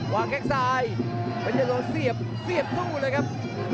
วางแค่งซ้ายมันจะโดนเสียบเสียบสู้เลยครับ